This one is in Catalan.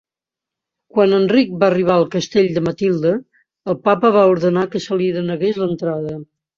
Quan Enric va arribar al castell de Matilde, el Papa va ordenar que se li denegués l'entrada.